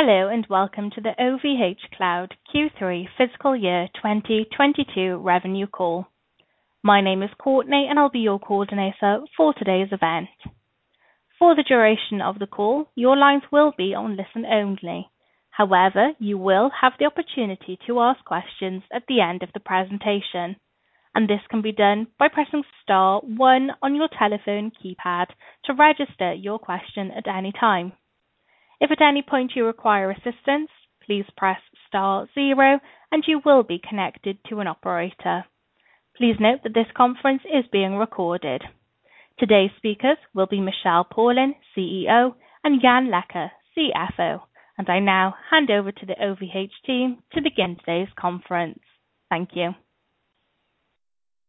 Hello, and welcome to the OVHcloud Q3 fiscal year 2022 revenue call. My name is Courtney, and I'll be your coordinator for today's event. For the duration of the call, your lines will be on listen only. However, you will have the opportunity to ask questions at the end of the presentation, and this can be done by pressing star one on your telephone keypad to register your question at any time. If at any point you require assistance, please press star zero, and you will be connected to an operator. Please note that this conference is being recorded. Today's speakers will be Michel Paulin, CEO, and Yann Leca, CFO. I now hand over to the OVHcloud team to begin today's conference. Thank you.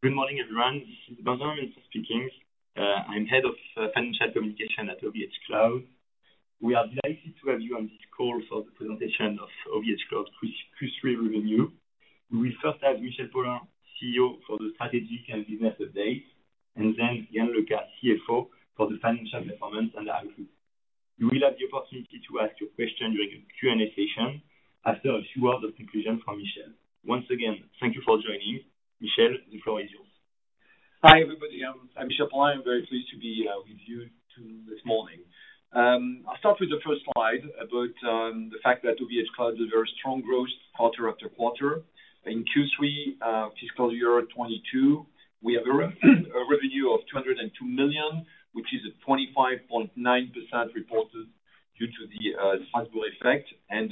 Good morning, everyone. This is Benjamin speaking. I'm Head of Financial Communication at OVHcloud. We are delighted to have you on this call for the presentation of OVHcloud Q3 revenue. We will first have Michel Paulin, CEO, for the strategy and business update, and then Yann Leca, CFO, for the financial performance and the outlook. You will have the opportunity to ask your question during the Q&A session after a few words of conclusion from Michel. Once again, thank you for joining. Michel, the floor is yours. Hi, everybody. I'm Michel Paulin. I'm very pleased to be with you this morning. I'll start with the first slide about the fact that OVHcloud has very strong growth quarter after quarter. In Q3 fiscal year 2022, we have a revenue of 202 million, which is a 25.9% reported due to the currency effect and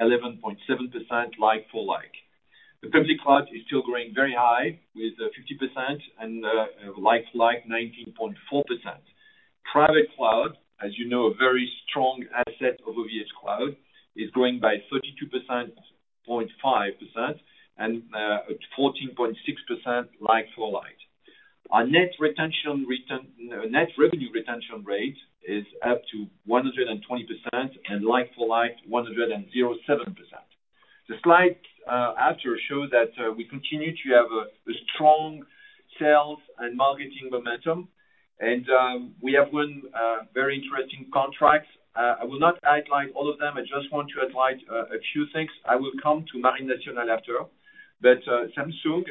11.7% like-for-like. The public cloud is still growing very high with 50% and like-for-like 19.4%. Private cloud, as you know, a very strong asset of OVHcloud, is growing by 32.5% and 14.6% like-for-like. Our net retention return... Net revenue retention rate is up to 120%, and like for like 107%. The slide after shows that we continue to have a strong sales and marketing momentum, and we have won very interesting contracts. I will not outline all of them. I just want to highlight a few things. I will come to Marine Nationale after. Samsung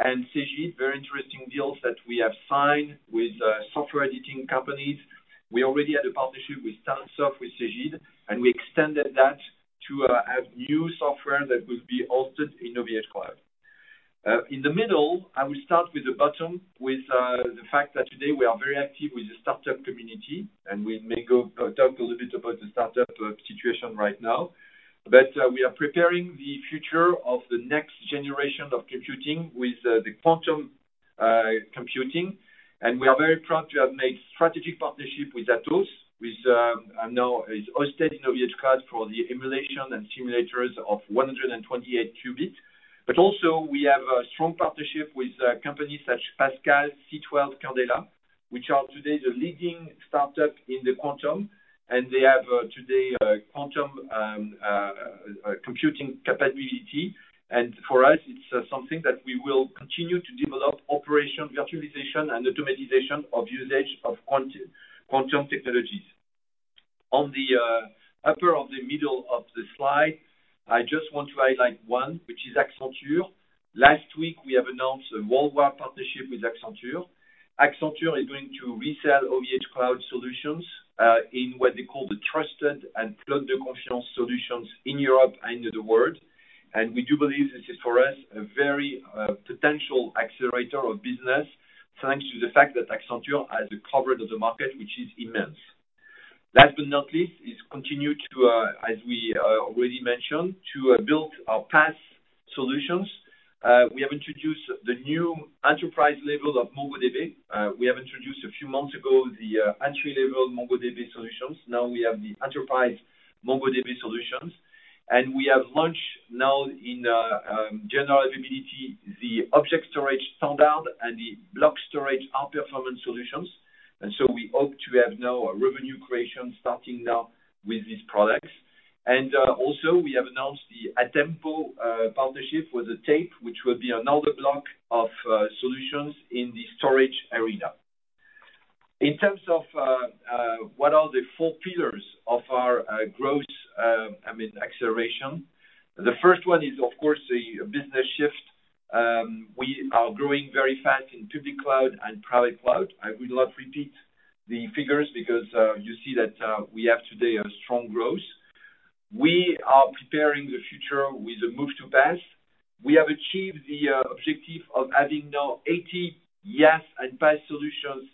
and Cegid, very interesting deals that we have signed with software editing companies. We already had a partnership with Sopra Steria, with Cegid, and we extended that to have new software that will be hosted in OVHcloud. In the middle, I will start with the bottom with the fact that today we are very active with the startup community, and we may go talk a little bit about the startup situation right now. We are preparing the future of the next generation of computing with the quantum computing, and we are very proud to have made strategic partnership with Atos, which now is hosted in OVHcloud for the emulation and simulators of 128-qubit. Also, we have a strong partnership with companies such as Pasqal, C12, Quandela, which are today the leading startup in the quantum, and they have today a quantum computing capability. For us, it's something that we will continue to develop operation virtualization and automation of usage of quantum technologies. On the upper of the middle of the slide, I just want to highlight one, which is Accenture. Last week, we have announced a worldwide partnership with Accenture. Accenture is going to resell OVHcloud solutions in what they call the trusted and cloud de confiance solutions in Europe and in the world. We do believe this is, for us, a very potential accelerator of business, thanks to the fact that Accenture has a coverage of the market, which is immense. Last but not least is continue to, as we already mentioned, to build our PaaS solutions. We have introduced the new enterprise level of MongoDB. We have introduced a few months ago the entry-level MongoDB solutions. Now we have the enterprise MongoDB solutions, and we have launched now in general availability, the Object Storage Standard and the Block Storage High-Performance solutions. We hope to have now a revenue creation starting now with these products. Also we have announced the Atempo partnership with the tape, which will be another block of solutions in the storage arena. In terms of what are the four pillars of our growth, I mean, acceleration. The first one is, of course, the business shift. We are growing very fast in Public Cloud and Private Cloud. I will not repeat the figures because you see that we have today a strong growth. We are preparing the future with a move to PaaS. We have achieved the objective of adding now 80 IaaS and PaaS solutions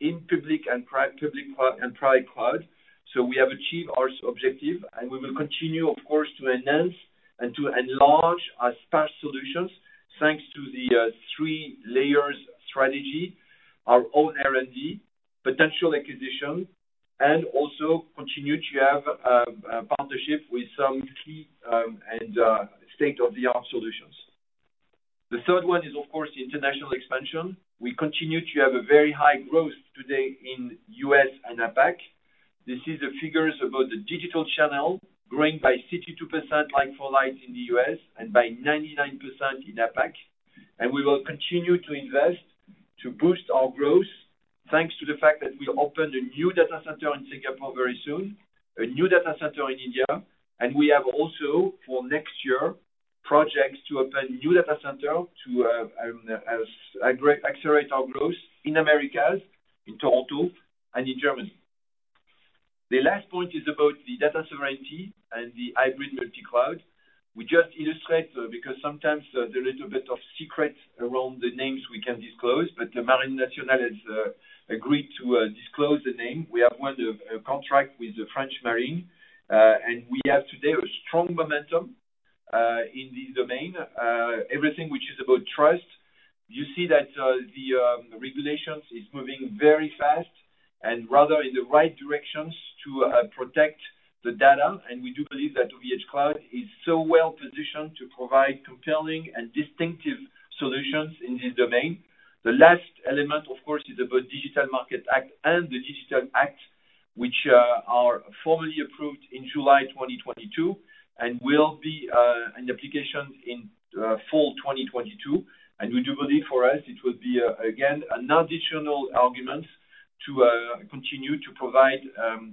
in public and private cloud. We have achieved our objective, and we will continue, of course, to enhance and to enlarge our PaaS solutions, thanks to the three layers strategy, our own R&D, potential acquisition, and also continue to have a partnership with some key and state-of-the-art solutions. The third one is, of course, international expansion. We continue to have a very high growth today in US and APAC. This is the figures about the digital channel growing by 62% like for like in the US and by 99% in APAC. We will continue to invest to boost our growth, thanks to the fact that we opened a new data center in Singapore very soon, a new data center in India, and we have also, for next year, projects to open new data centers to accelerate our growth in the Americas, in Toronto and in Germany. The last point is about the data sovereignty and the hybrid multi-cloud. We just illustrate because sometimes there are a little bit of secrecy around the names we can disclose, but the Marine Nationale has agreed to disclose the name. We have won the contract with the Marine Nationale, and we have today a strong momentum in this domain. Everything which is about trust, you see that the regulations is moving very fast and rather in the right directions to protect the data. We do believe that OVHcloud is so well-positioned to provide compelling and distinctive solutions in this domain. The last element, of course, is about Digital Markets Act and the Digital Services Act, which are formally approved in July 2022 and will be in application in fall 2022. We do believe for us it will be again an additional argument to continue to provide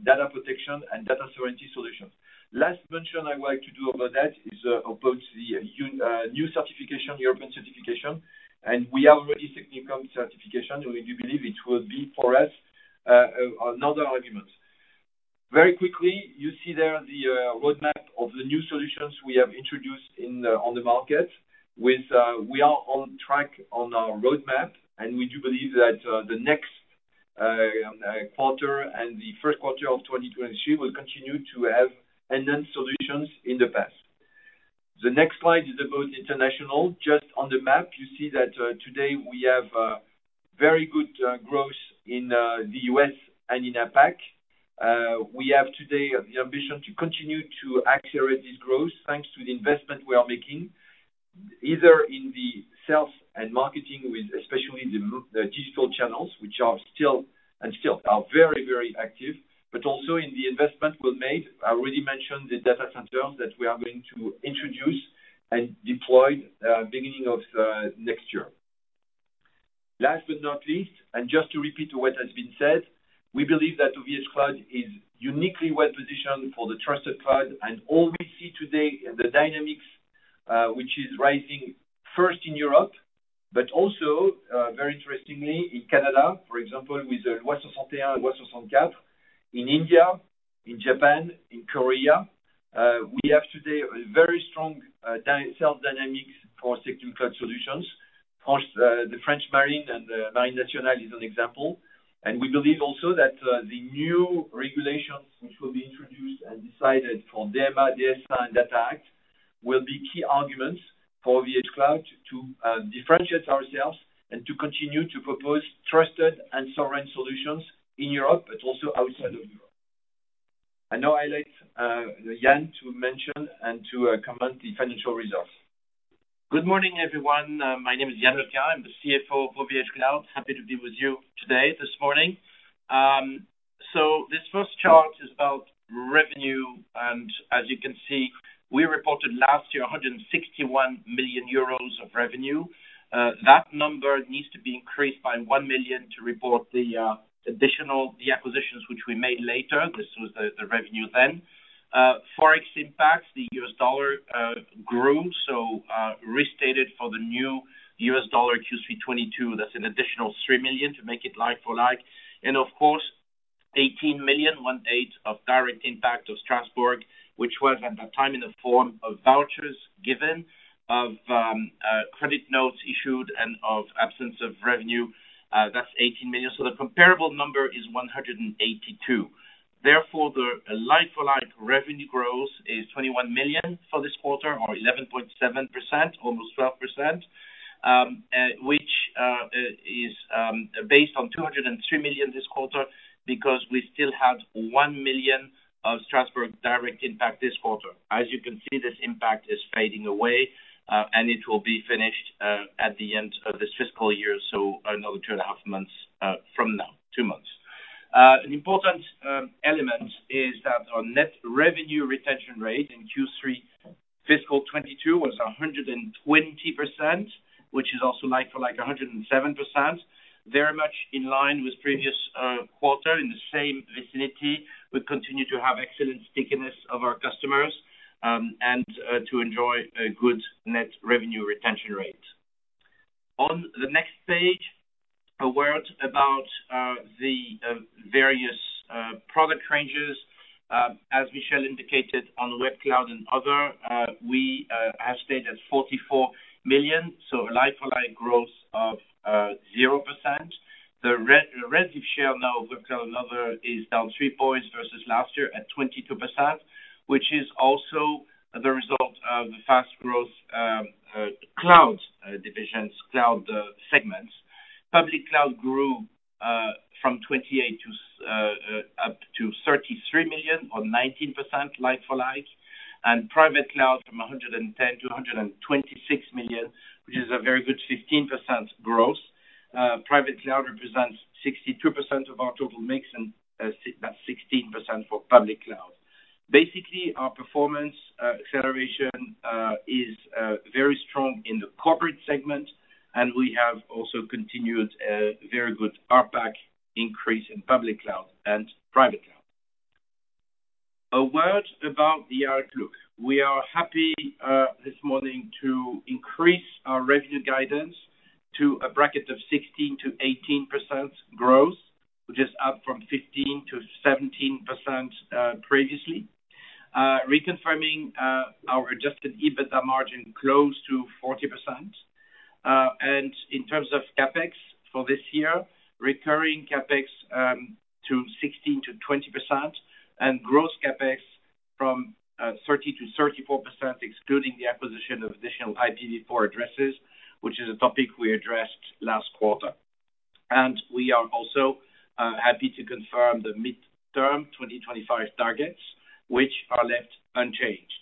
data protection and data sovereignty solutions. Last mention I'd like to do about that is about the new certification, the EUCS certification, and we have already SecNumCloud certification. We do believe it will be for us another argument. Very quickly, you see there the roadmap of the new solutions we have introduced on the market. We are on track on our roadmap, and we do believe that the next quarter and the first quarter of 2022 will continue to have enhanced solutions in the past. The next slide is about international. Just on the map, you see that today we have very good growth in the US and in APAC. We have today the ambition to continue to accelerate this growth, thanks to the investment we are making, either in the sales and marketing with especially the digital channels, which are still are very active, but also in the investment we've made. I already mentioned the data centers that we are going to introduce and deploy beginning of next year. Last but not least, and just to repeat what has been said, we believe that OVHcloud is uniquely well-positioned for the trusted cloud. All we see today, the dynamics, which is rising first in Europe, but also, very interestingly in Canada, for example, with, in India, in Japan, in Korea. We have today a very strong sales dynamics for secure cloud solutions. Of course, the French Marine and the Marine Nationale is an example. We believe also that, the new regulations which will be introduced and decided from DMA, DSA and Data Act will be key arguments for OVHcloud to, differentiate ourselves and to continue to propose trusted and sovereign solutions in Europe but also outside of Europe. I now highlight Yann to mention and to comment the financial results. Good morning, everyone. My name is Yann Leca. I'm the CFO for OVHcloud. Happy to be with you today, this morning. This first chart is about revenue. As you can see, we reported last year 161 million euros of revenue. That number needs to be increased by 1 million to report the additional acquisitions which we made later. This was the revenue then. Forex impact, the US dollar grew, restated for the new US dollar Q3 2022, that's an additional 3 million to make it like for like. Of course, 18 million, one-eighth of direct impact of Strasbourg, which was at that time in the form of vouchers given, of credit notes issued, and of absence of revenue. That's 18 million. The comparable number is 182. Therefore, the like-for-like revenue growth is 21 million for this quarter or 11.7%, almost 12%, which is based on 203 million this quarter because we still had 1 million of Strasbourg direct impact this quarter. As you can see, this impact is fading away, and it will be finished at the end of this fiscal year, so another two and a half months from now, two months. An important element is that our net revenue retention rate in Q3 fiscal 2022 was 120%, which is also like for like 107%. Very much in line with previous quarter in the same vicinity. We continue to have excellent stickiness of our customers, and to enjoy a good net revenue retention rate. On the next page, a word about the various product ranges. As Michel indicated on Web Cloud and other, we have stayed at 44 million, so a like-for-like growth of 0%. The relative share now of Web Cloud and other is down 3 points versus last year at 22%, which is also the result of the fast growth of cloud divisions, cloud segments. Public Cloud grew from 28 million to up to 33 million on 19% like for like, and Private Cloud from 110 million to 126 million, which is a very good 15% growth. Private cloud represents 62% of our total mix and 16% for public cloud. Basically, our performance acceleration is very strong in the corporate segment, and we have also continued a very good ARPA increase in public cloud and private cloud. A word about the outlook. We are happy this morning to increase our revenue guidance to a bracket of 16%-18% growth, which is up from 15%-17% previously. Reconfirming our adjusted EBITDA margin close to 40%. In terms of CapEx for this year, recurring CapEx to 16%-20% and gross CapEx from 30%-34%, excluding the acquisition of additional IPv4 addresses, which is a topic we addressed last quarter. We are also happy to confirm the midterm 2025 targets, which are left unchanged.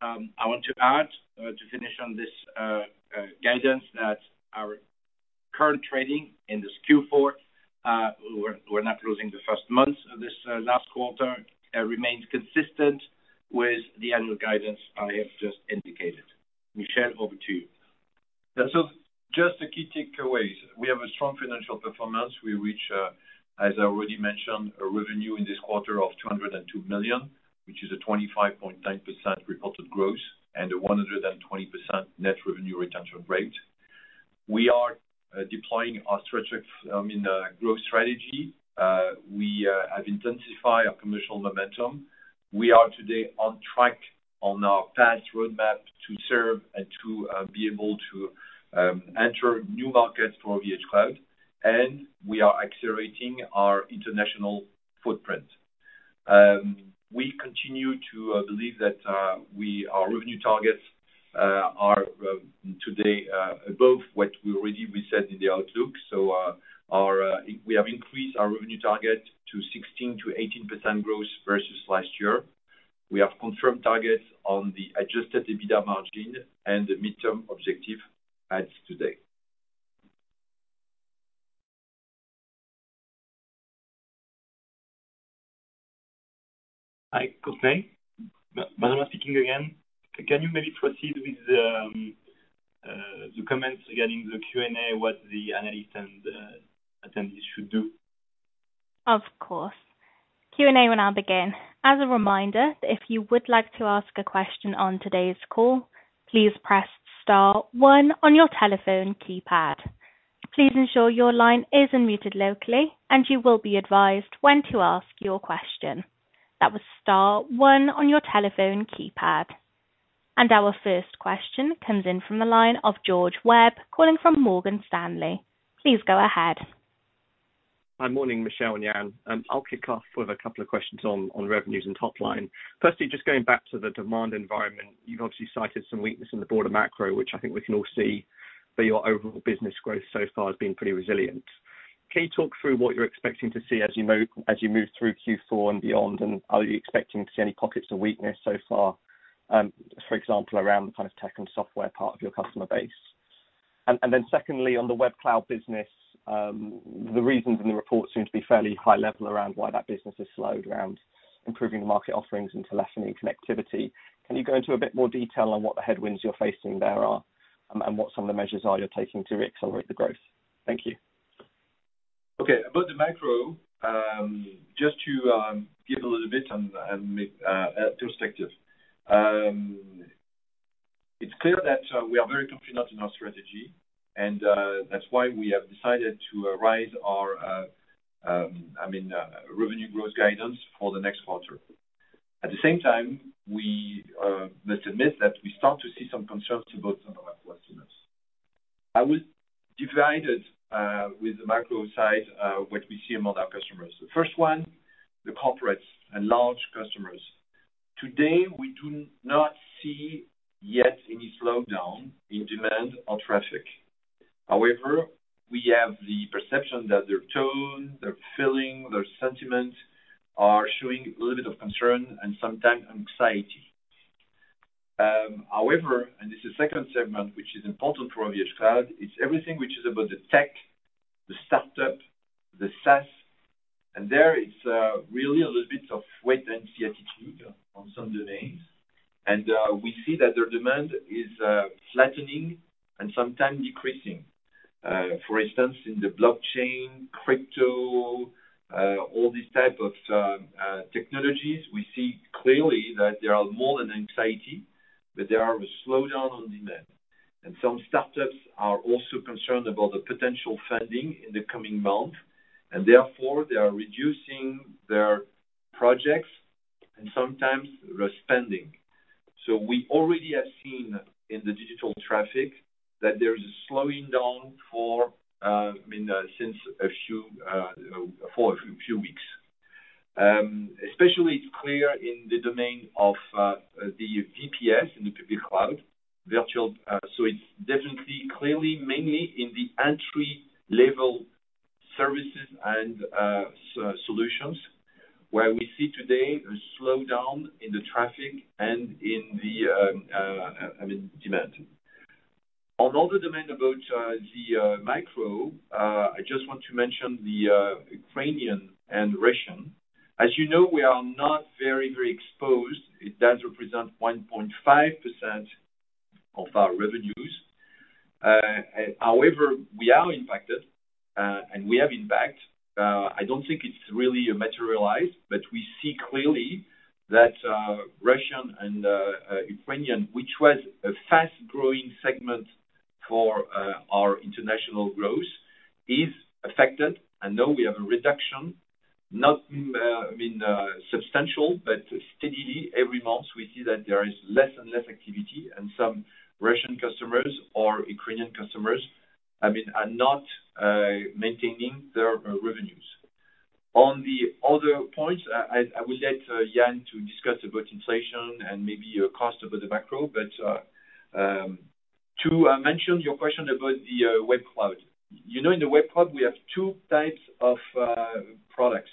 I want to add to finish on this guidance, that our current trading in this Q4, we're not closing the first month of this last quarter, remains consistent with the annual guidance I have just indicated. Michel, over to you. Just the key takeaways. We have a strong financial performance. We reach, as I already mentioned, a revenue in this quarter of 202 million, which is a 25.9% reported growth and a 120% net revenue retention rate. We are deploying our strategy, I mean, growth strategy. We have intensified our commercial momentum. We are today on track on our path, roadmap to serve and to be able to enter new markets for OVHcloud, and we are accelerating our international footprint. We continue to believe that our revenue targets are today above what we already said in the outlook. We have increased our revenue target to 16%-18% growth versus last year. We have confirmed targets on the adjusted EBITDA margin and the midterm objective as of today. Hi, Courtney. Benjamin speaking again. Can you maybe proceed with the comments regarding the Q&A, what the analysts and attendees should do? Of course. Q&A will now begin. As a reminder, if you would like to ask a question on today's call, please press star one on your telephone keypad. Please ensure your line is unmuted locally, and you will be advised when to ask your question. That was star one on your telephone keypad. Our first question comes in from the line of George Webb, calling from Morgan Stanley. Please go ahead. Hi. Morning, Michel and Yann. I'll kick off with a couple of questions on revenues and top line. Firstly, just going back to the demand environment, you've obviously cited some weakness in the broader macro, which I think we can all see, but your overall business growth so far has been pretty resilient. Can you talk through what you're expecting to see as you move through Q4 and beyond, and are you expecting to see any pockets of weakness so far, for example, around the kind of tech and software part of your customer base? And then secondly, on the Web Cloud business, the reasons in the report seem to be fairly high level around why that business has slowed, around improving the market offerings and telephony and connectivity. Can you go into a bit more detail on what the headwinds you're facing there are, and what some of the measures are you're taking to accelerate the growth? Thank you. Okay. About the macro, just to give a little bit of perspective. It's clear that we are very confident in our strategy, and that's why we have decided to raise our, I mean, revenue growth guidance for the next quarter. At the same time, we must admit that we start to see some concerns about some of our customers. I'm divided with the macro side, what we see among our customers. The first one, the corporates and large customers. Today, we do not see yet any slowdown in demand or traffic. However, we have the perception that their tone, their feeling, their sentiment are showing a little bit of concern and sometimes anxiety. However, and this is second segment, which is important for OVHcloud, it's everything which is about the tech, the startup, the SaaS, and there it's really a little bit of wait-and-see attitude on some domains. We see that their demand is flattening and sometimes decreasing. For instance, in the blockchain, crypto, all these type of technologies, we see clearly that there are more than anxiety, but there are a slowdown on demand. Some startups are also concerned about the potential funding in the coming month, and therefore, they are reducing their projects and sometimes their spending. We already have seen in the digital traffic that there is a slowing down, I mean, for a few weeks. Especially, it's clear in the domain of the VPS in the Public Cloud. So it's definitely clearly mainly in the entry-level services and solutions, where we see today a slowdown in the traffic and in the, I mean, demand. I just want to mention the Ukrainian and Russian. As you know, we are not very exposed. It does represent 1.5% of our revenues. However, we are impacted and we have impact. I don't think it's really materialized, but we see clearly that Russian and Ukrainian, which was a fast-growing segment for our international growth, is affected. I know we have a reduction, not substantial, I mean, but steadily every month, we see that there is less and less activity, and some Russian customers or Ukrainian customers, I mean, are not maintaining their revenues. On the other points, I will let Yann to discuss about inflation and maybe cost over the macro. To mention your question about the Web Cloud. You know, in the Web Cloud, we have two types of products.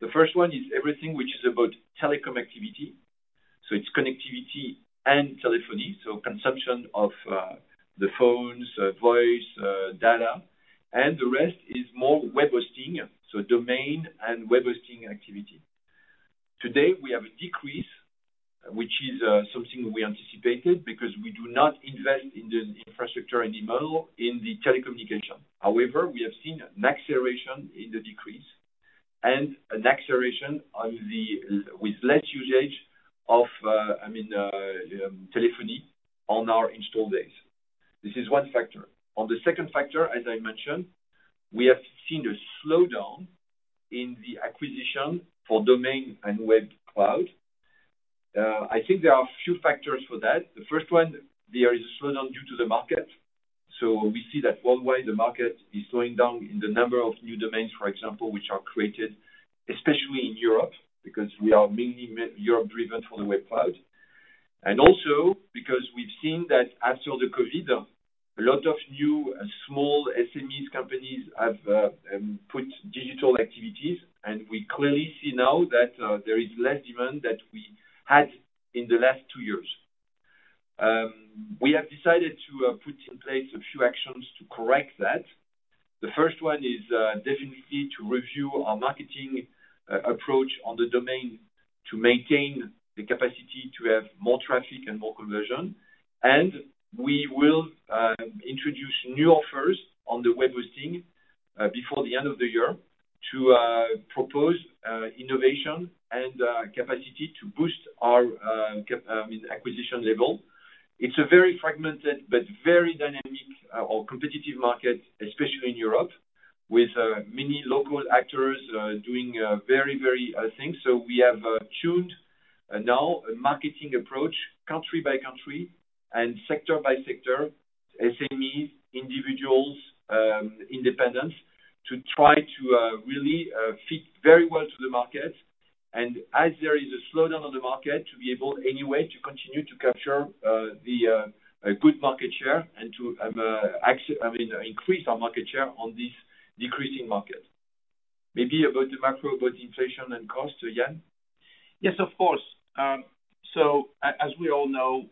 The first one is everything which is about telecom activity, so it's connectivity and telephony, so consumption of the phones, voice, data, and the rest is more web hosting, so domain and web hosting activity. Today, we have a decrease, which is something we anticipated because we do not invest in the infrastructure anymore in the telecommunication. However, we have seen an acceleration in the decrease with less usage of, I mean, telephony on our install base. This is one factor. On the second factor, as I mentioned, we have seen a slowdown in the acquisition for domain and Web Cloud. I think there are a few factors for that. The first one, there is a slowdown due to the market. We see that one way the market is slowing down in the number of new domains, for example, which are created, especially in Europe, because we are mainly Europe-driven for the Web Cloud. Also because we've seen that after the COVID, a lot of new small SMEs companies have put digital activities, and we clearly see now that there is less demand that we had in the last two years. We have decided to put in place a few actions to correct that. The first one is definitely to review our marketing approach on the domain to maintain the capacity to have more traffic and more conversion. We will introduce new offers on the web hosting before the end of the year to propose innovation and capacity to boost our acquisition level. It's a very fragmented but very dynamic or competitive market, especially in Europe, with many local actors doing very things. We have tuned now a marketing approach country by country and sector by sector, SMEs, individuals, independents, to try to really fit very well to the market. As there is a slowdown on the market, to be able, any way, to continue to capture the good market share and to increase our market share on this decreasing market. Maybe about the macro, about inflation and cost to Yann. Yes, of course. So as we all know,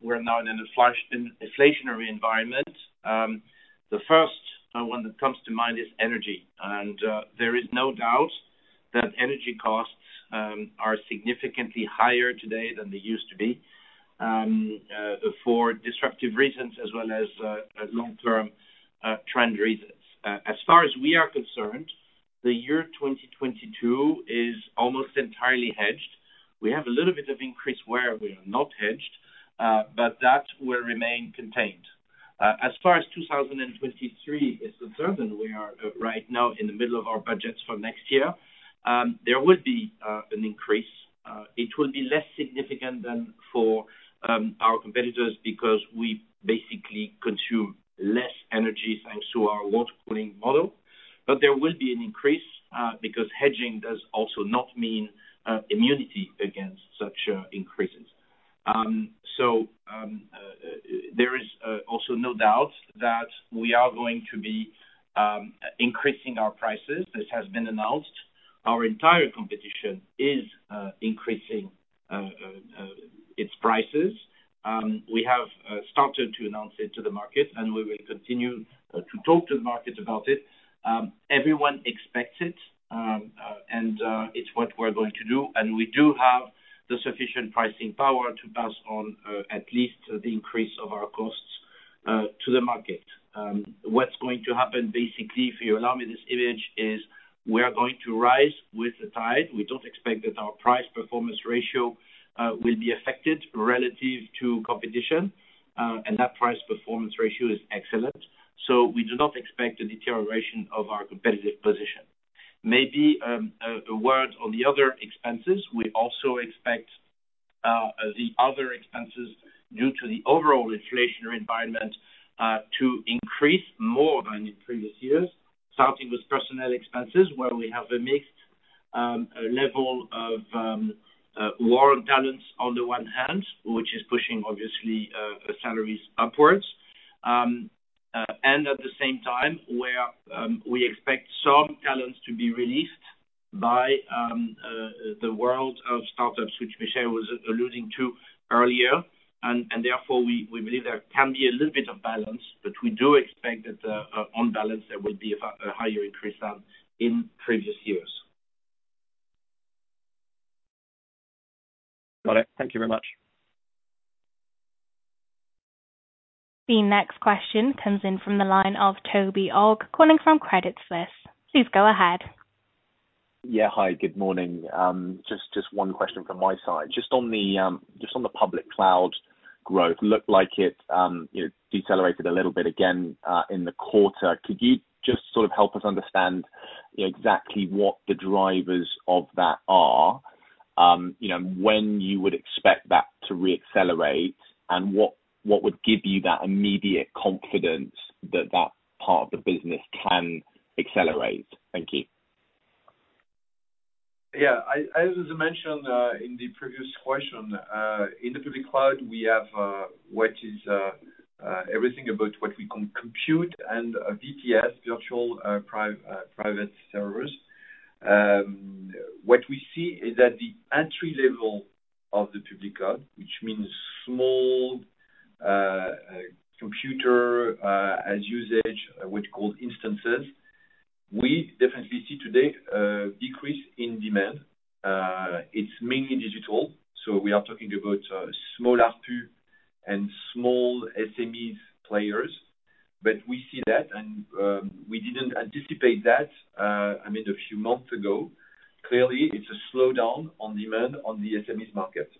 we're now in an inflationary environment. The first one that comes to mind is energy. There is no doubt that energy costs are significantly higher today than they used to be for disruptive reasons as well as long-term trend reasons. As far as we are concerned, the year 2022 is almost entirely hedged. We have a little bit of increase where we are not hedged, but that will remain contained. As far as 2023 is concerned, we are right now in the middle of our budgets for next year, there would be an increase. It will be less significant than for our competitors because we basically consume less energy thanks to our water cooling model. There will be an increase, because hedging does also not mean immunity against such increases. There is also no doubt that we are going to be increasing our prices. This has been announced. Our entire competition is increasing its prices. We have started to announce it to the market, and we will continue to talk to the market about it. Everyone expects it, and it's what we're going to do. We do have the sufficient pricing power to pass on at least the increase of our costs to the market. What's going to happen, basically, if you allow me this image, is we are going to rise with the tide. We don't expect that our price-performance ratio will be affected relative to competition, and that price-performance ratio is excellent. We do not expect a deterioration of our competitive position. Maybe a word on the other expenses. We also expect the other expenses due to the overall inflationary environment to increase more than in previous years, starting with personnel expenses, where we have a mixed level of lower talents on the one hand, which is pushing obviously salaries upwards. And at the same time, where we expect some talents to be released. In the world of startups, which Michel was alluding to earlier. Therefore, we believe there can be a little bit of balance, but we do expect that, on balance, there will be a far higher increase than in previous years. Got it. Thank you very much. The next question comes in from the line of Toby Ogg, calling from Credit Suisse. Please go ahead. Yeah. Hi, good morning. Just one question from my side. Just on the Public Cloud growth, looked like it, you know, decelerated a little bit again in the quarter. Could you just sort of help us understand exactly what the drivers of that are? You know, when you would expect that to re-accelerate, and what would give you that immediate confidence that that part of the business can accelerate? Thank you. As mentioned in the previous question, in the public cloud, we have everything about what we can compute and VPS, virtual private servers. What we see is that the entry level of the public cloud, which means small compute IaaS usage, what you call instances, we definitely see today a decrease in demand. It's mainly digital, so we are talking about small ARPU and small SMEs players. We see that, and we didn't anticipate that, I mean, a few months ago. Clearly, it's a slowdown in demand in the SMEs market.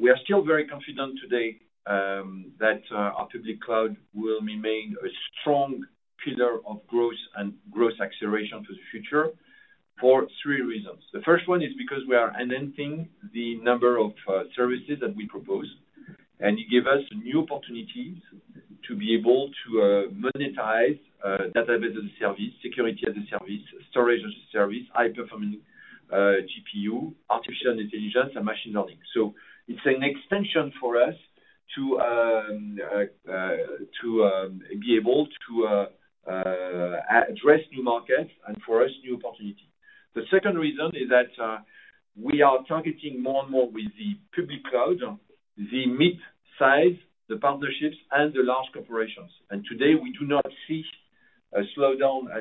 We are still very confident today that our public cloud will remain a strong pillar of growth and growth acceleration to the future for three reasons. The first one is because we are enhancing the number of services that we propose, and it give us new opportunities to be able to monetize database as a service, security as a service, storage as a service, high-performing GPU, artificial intelligence, and machine learning. It's an extension for us to be able to address new markets and for us, new opportunity. The second reason is that we are targeting more and more with the Public Cloud the midsize, the partnerships and the large corporations. Today, we do not see a slowdown,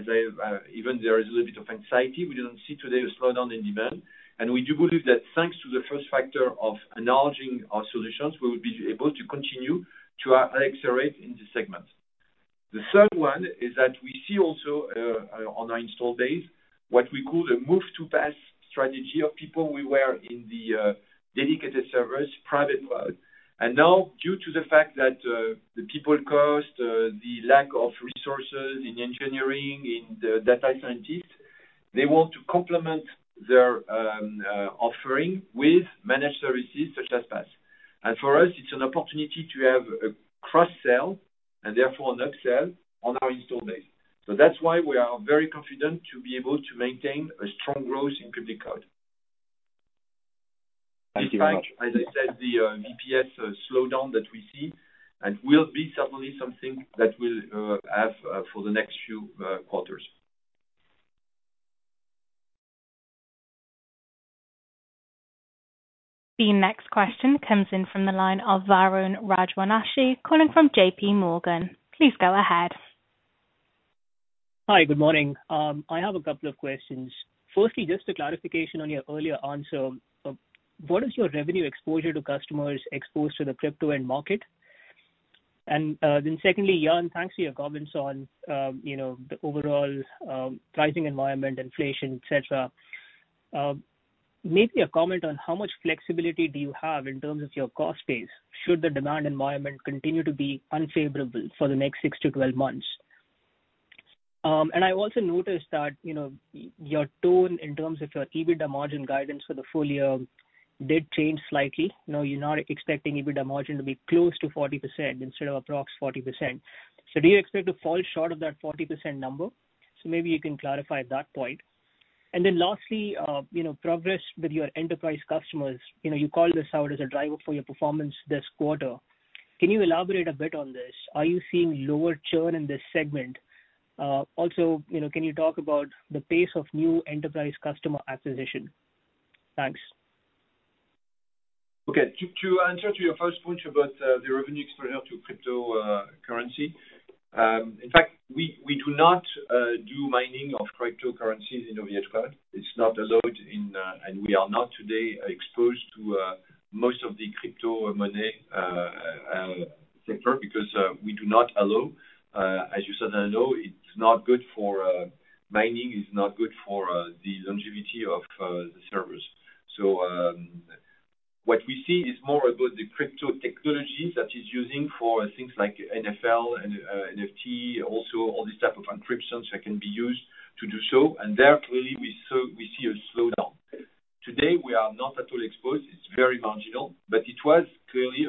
even though there is a little bit of anxiety. We don't see today a slowdown in demand. We do believe that thanks to the first factor of enlarging our solutions, we will be able to continue to accelerate in this segment. The third one is that we see also on our installed base what we call the move to PaaS strategy of people who were in the dedicated service, Private Cloud. Now, due to the fact that the personnel costs, the lack of resources in engineering, in the data centers, they want to complement their offering with managed services such as PaaS. For us, it's an opportunity to have a cross-sell, and therefore an upsell on our installed base. That's why we are very confident to be able to maintain a strong growth in Public Cloud. Thank you very much. In fact, as I said, the VPS slowdown that we see and will be certainly something that we'll have for the next few quarters. The next question comes in from the line of Varun Rajwanshi, calling from J.P. Morgan. Please go ahead. Hi, good morning. I have a couple of questions. Firstly, just a clarification on your earlier answer. What is your revenue exposure to customers exposed to the crypto end market? Then secondly, Yann, thanks for your comments on, you know, the overall pricing environment, inflation, et cetera. Maybe a comment on how much flexibility do you have in terms of your cost base, should the demand environment continue to be unfavorable for the next 6 to 12 months? I also noticed that, you know, your tone in terms of your EBITDA margin guidance for the full year did change slightly. You know, you're not expecting EBITDA margin to be close to 40% instead of approx 40%. Do you expect to fall short of that 40% number? Maybe you can clarify that point. Lastly, you know, progress with your enterprise customers. You know, you called this out as a driver for your performance this quarter. Can you elaborate a bit on this? Are you seeing lower churn in this segment? Also, you know, can you talk about the pace of new enterprise customer acquisition? Thanks. Okay. To answer your first point about the revenue exposure to cryptocurrency. In fact, we do not do mining of cryptocurrencies in OVHcloud. It's not allowed, and we are not today exposed to most of the crypto mining sector, because we do not allow, as you said. It's not good for mining. It's not good for the longevity of the servers. What we see is more about the crypto technologies that is using for things like NFT, also all these type of encryptions that can be used to do so. There, clearly, we see a slowdown. Today, we are not at all exposed. It's very marginal, but it was clearly,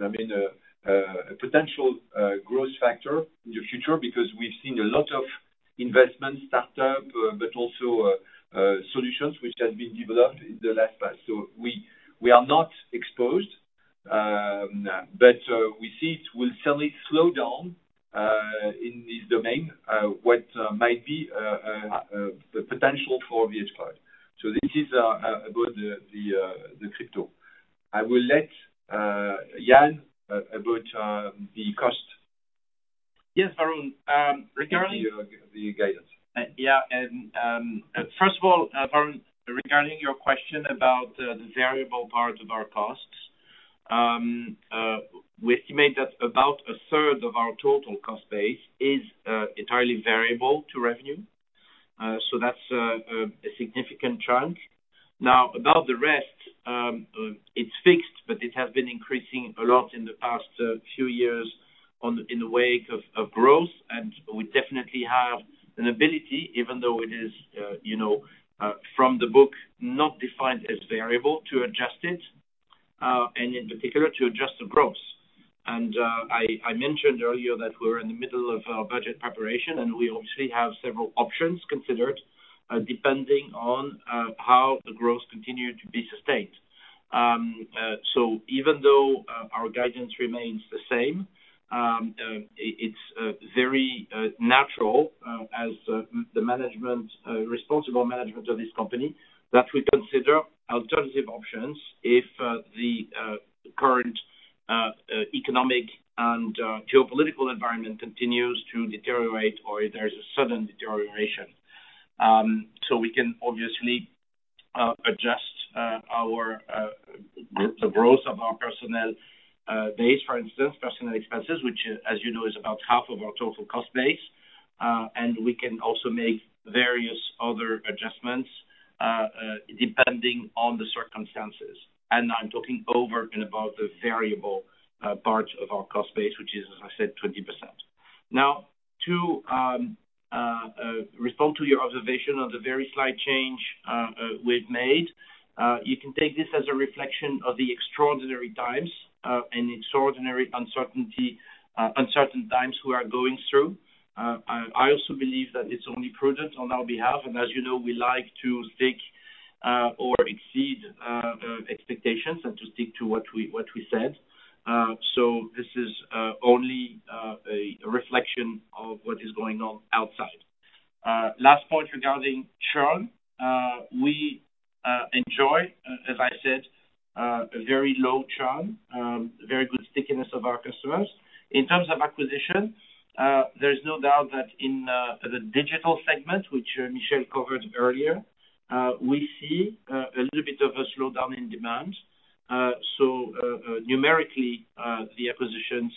I mean, a potential growth factor in the future because we've seen a lot of investment in startups, but also solutions which have been developed in the past. We are not exposed. We see it will certainly slow down in this domain. What might be the potential for OVHcloud. This is about the crypto. I will let Yann about the cost. Yes, Varun. Regarding- The guidance. Yeah. First of all, Varun, regarding your question about the variable part of our costs, we estimate that about a third of our total cost base is entirely variable to revenue. That's a significant chunk. Now, about the rest, it's fixed, but it has been increasing a lot in the past few years in the wake of growth. We definitely have an ability, even though it is, you know, from the book, not defined as variable to adjust it, and in particular, to adjust the growth. I mentioned earlier that we're in the middle of our budget preparation, and we obviously have several options considered, depending on how the growth continue to be sustained. Even though our guidance remains the same, it's very natural as the responsible management of this company that we consider alternative options if the current economic and geopolitical environment continues to deteriorate or if there's a sudden deterioration. We can obviously adjust the growth of our personnel base, for instance, personnel expenses, which as you know, is about half of our total cost base. We can also make various other adjustments depending on the circumstances. I'm talking over and about the variable parts of our cost base, which is, as I said, 20%. Now, to respond to your observation of the very slight change we've made, you can take this as a reflection of the extraordinary times and extraordinary uncertainty, uncertain times we are going through. I also believe that it's only prudent on our behalf, and as you know, we like to stick or exceed expectations and to stick to what we said. This is only a reflection of what is going on outside. Last point regarding churn. We enjoy, as I said, a very low churn, very good stickiness of our customers. In terms of acquisition, there is no doubt that in the digital segment, which Michel covered earlier, we see a little bit of a slowdown in demand. Numerically, the acquisitions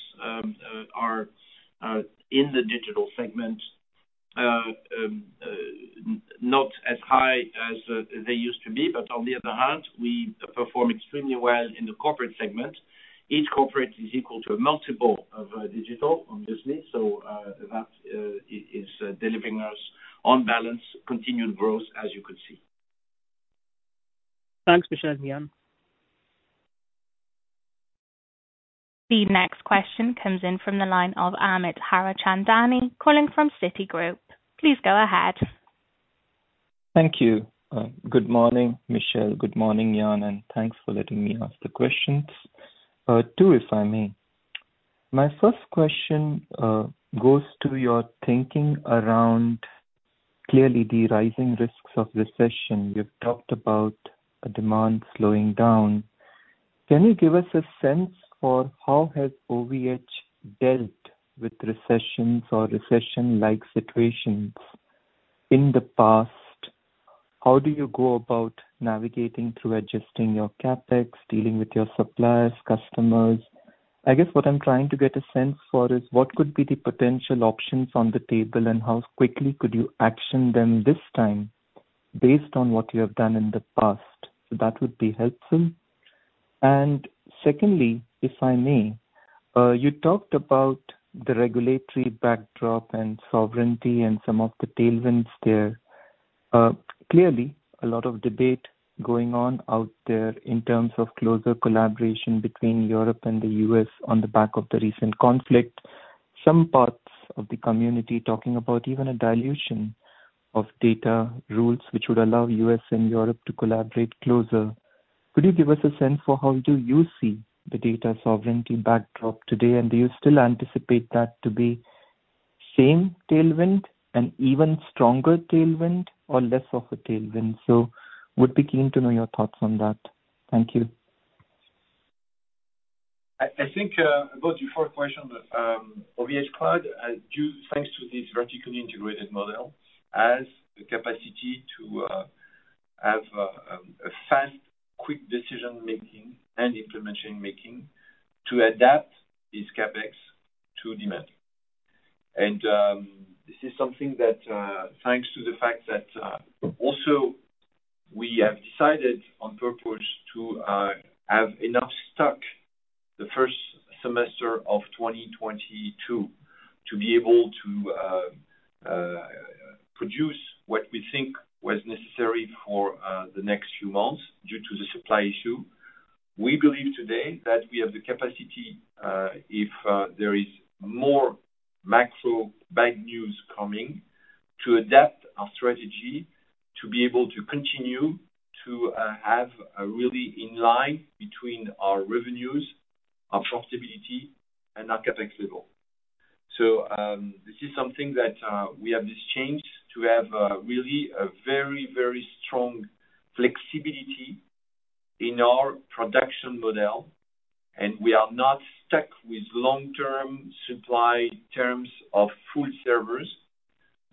are in the digital segment not as high as they used to be. On the other hand, we perform extremely well in the corporate segment. Each corporate is equal to a multiple of digital obviously. That is delivering us on balance continued growth as you could see. Thanks, Michel and Yann. The next question comes in from the line of Amit Harchandani, calling from Citigroup. Please go ahead. Thank you. Good morning, Michel. Good morning, Yann, and thanks for letting me ask the questions. Two, if I may. My first question goes to your thinking around clearly the rising risks of recession. You've talked about a demand slowing down. Can you give us a sense for how has OVH dealt with recessions or recession-like situations in the past? How do you go about navigating through adjusting your CapEx, dealing with your suppliers, customers? I guess what I'm trying to get a sense for is what could be the potential options on the table, and how quickly could you action them this time based on what you have done in the past? So that would be helpful. Secondly, if I may, you talked about the regulatory backdrop and sovereignty and some of the tailwinds there. Clearly a lot of debate going on out there in terms of closer collaboration between Europe and the U.S. on the back of the recent conflict. Some parts of the community talking about even a dilution of data rules, which would allow U.S. and Europe to collaborate closer. Could you give us a sense for how do you see the data sovereignty backdrop today? And do you still anticipate that to be same tailwind, an even stronger tailwind or less of a tailwind? Would be keen to know your thoughts on that. Thank you. I think about your first question. OVHcloud thanks to this vertically integrated model has the capacity to have a fast quick decision-making and implementation making to adapt this CapEx to demand. This is something that thanks to the fact that also we have decided on purpose to have enough stock the first semester of 2022 to be able to produce what we think was necessary for the next few months due to the supply issue. We believe today that we have the capacity if there is more macro bad news coming. To adapt our strategy to be able to continue to have a really in line between our revenues, our profitability, and our CapEx level. This is something that we have this chance to have really a very, very strong flexibility in our production model, and we are not stuck with long-term supply terms of full servers.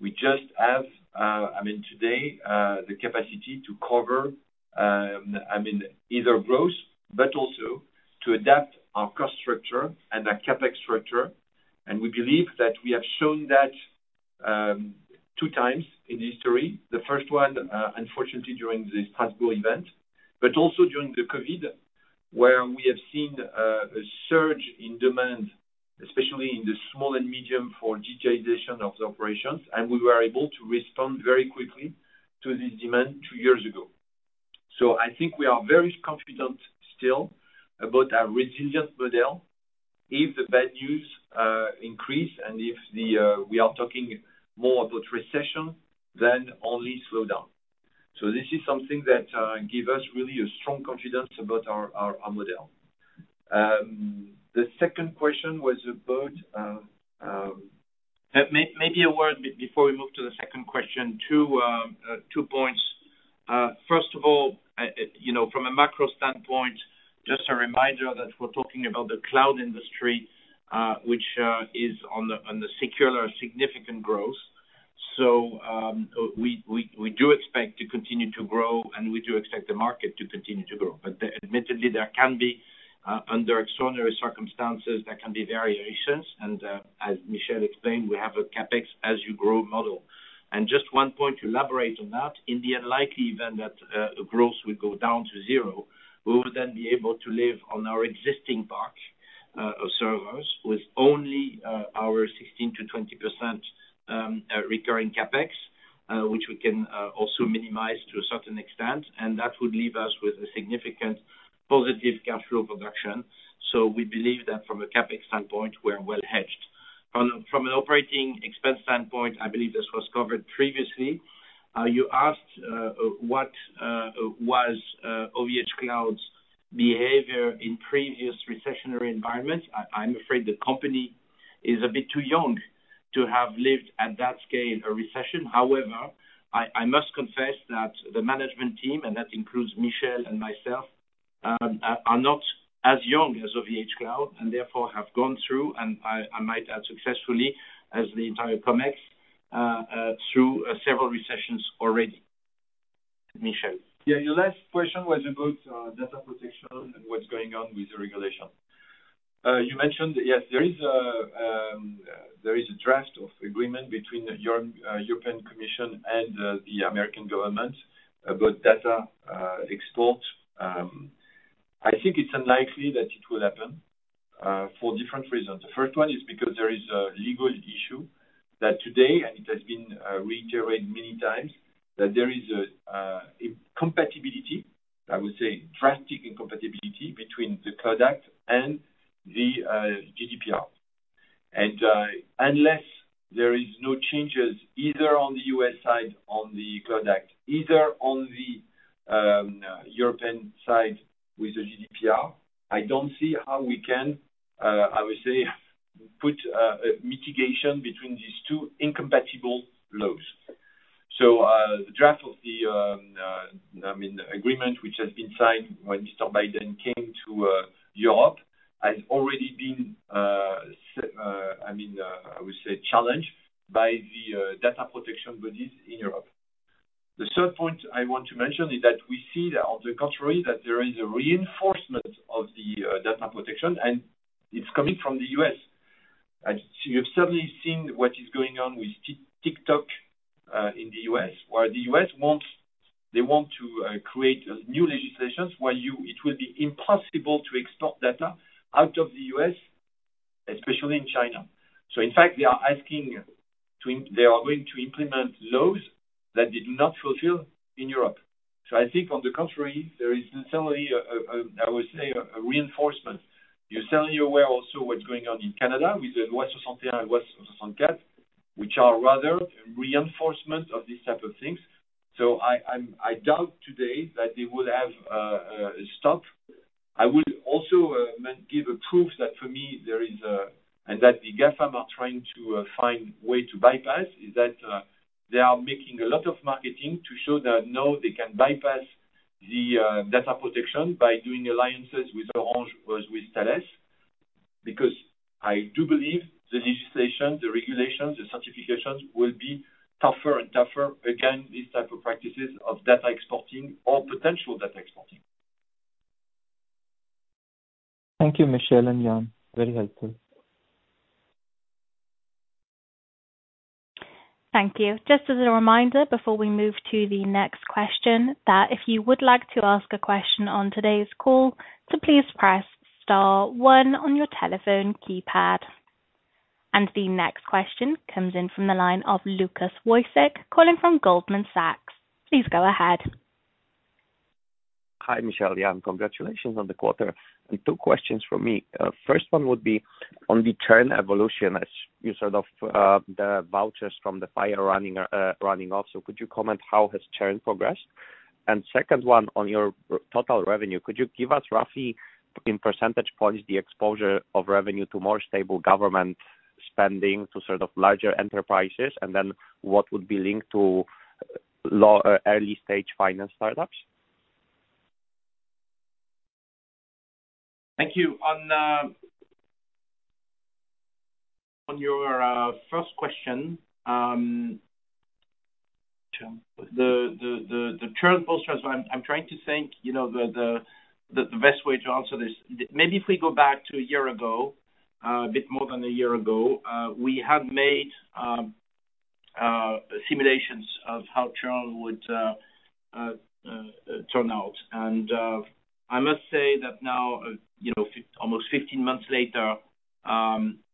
We just have, I mean, today, the capacity to cover, I mean, either growth, but also to adapt our cost structure and our CapEx structure. We believe that we have shown that two times in history. The first one, unfortunately during this Strasbourg event, but also during the COVID, where we have seen a surge in demand, especially in the small and medium for digitization of the operations. We were able to respond very quickly to this demand two years ago. I think we are very confident still about our resilient model. If the bad news increase and if we are talking more about recession, then only slow down. This is something that give us really a strong confidence about our model. The second question was about, Maybe a word before we move to the second question. Two points. First of all, you know, from a macro standpoint, just a reminder that we're talking about the cloud industry, which is on the secular significant growth. We do expect to continue to grow, and we do expect the market to continue to grow. Admittedly, there can be, under extraordinary circumstances, there can be variations, and as Michel explained, we have a CapEx as you grow model. Just one point to elaborate on that, in the unlikely event that growth would go down to zero, we would then be able to live on our existing stock of servers with only our 16%-20% recurring CapEx, which we can also minimize to a certain extent, and that would leave us with a significant positive cash flow production. We believe that from a CapEx standpoint, we're well hedged. From an operating expense standpoint, I believe this was covered previously. You asked what was OVHcloud's behavior in previous recessionary environments. I'm afraid the company is a bit too young to have lived at that scale a recession. However, I must confess that the management team, and that includes Michel and myself, are not as young as OVHcloud, and therefore have gone through, and I might add successfully, as the entire Comex, through several recessions already. Michel. Yeah. Your last question was about data protection and what's going on with the regulation. You mentioned, yes, there is a draft of agreement between the European Commission and the American government about data export. I think it's unlikely that it will happen for different reasons. The first one is because there is a legal issue that today, and it has been reiterated many times, that there is a incompatibility, I would say drastic incompatibility between the CLOUD Act and the GDPR. Unless there is no changes either on the U.S. side on the CLOUD Act, either on the European side with the GDPR, I don't see how we can, I would say, put a mitigation between these two incompatible laws. The draft of the agreement which has been signed when Mr. Biden came to Europe has already been, I mean, I would say challenged by the data protection bodies in Europe. The third point I want to mention is that we see that on the contrary, that there is a reinforcement of the data protection, and it's coming from the U.S. As you have certainly seen what is going on with TikTok in the U.S., where the U.S. wants. They want to create new legislations where it will be impossible to export data out of the U.S., especially in China. In fact, they are going to implement laws that they do not fulfill in Europe. I think on the contrary, there is necessarily a reinforcement. You're certainly aware also what's going on in Canada with the which are rather reinforcement of these type of things. I doubt today that they would have stop. I would also give a proof that for me there is a and that the guys are now trying to find way to bypass is that they are making a lot of marketing to show that, no, they can bypass the data protection by doing alliances with Orange as with Thales. Because I do believe the legislation, the regulations, the certifications will be tougher and tougher against these type of practices of data exporting or potential data exporting. Thank you, Michel and Yann. Very helpful. Thank you. Just as a reminder, before we move to the next question, that if you would like to ask a question on today's call, to please press star one on your telephone keypad. The next question comes in from the line of Łukasz Wójcik, calling from Goldman Sachs. Please go ahead. Hi, Michel, Yann. Congratulations on the quarter. Two questions from me. First one would be on the churn evolution as you sort of the vouchers from the fire running off. Could you comment how has churn progressed? Second one on your total revenue, could you give us roughly in percentage points the exposure of revenue to more stable government spending to sort of larger enterprises, and then what would be linked to early stage finance startups? Thank you. On your first question, the current post-trust, I'm trying to think, you know, the best way to answer this. Maybe if we go back to a year ago, a bit more than a year ago, we had made simulations of how churn would turn out. I must say that now, you know, almost fifteen months later,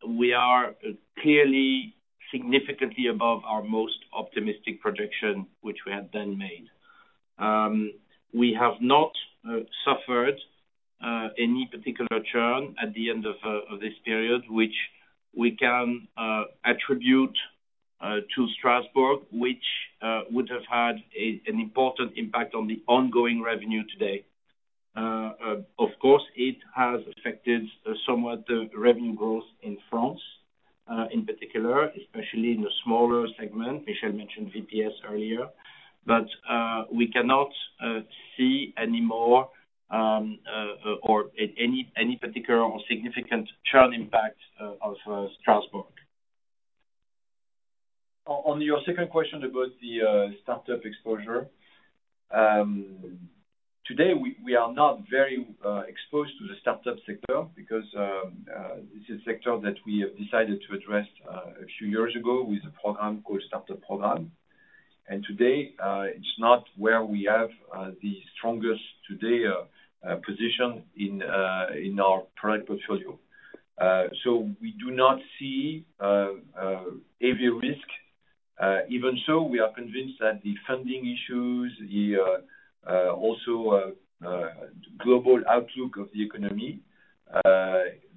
we are clearly significantly above our most optimistic projection, which we had then made. We have not suffered any particular churn at the end of this period, which we can attribute to Strasbourg, which would have had an important impact on the ongoing revenue today. Of course, it has affected somewhat the revenue growth in France, in particular, especially in the smaller segment. Michel mentioned VPS earlier. We cannot see any more, or any particular or significant churn impact of Strasbourg. On your second question about the startup exposure, today, we are not very exposed to the startup sector because this is a sector that we have decided to address a few years ago with a program called Startup Program. Today, it's not where we have the strongest position in our product portfolio. We do not see every risk. Even so, we are convinced that the funding issues, the global outlook of the economy,